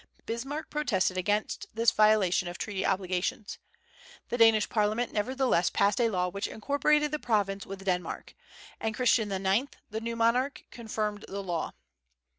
Bismarck protested against this violation of treaty obligations. The Danish parliament nevertheless passed a law which incorporated the province with Denmark; and Christian IX., the new monarch, confirmed the law.